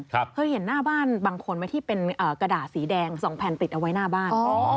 เคยเห็นหน้าบ้านบางคนไหมที่เป็นกระดาษสีแดงสองแผ่นติดเอาไว้หน้าบ้าน